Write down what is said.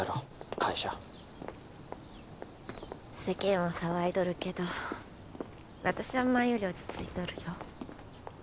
会社世間は騒いどるけど私は前より落ち着いとるよ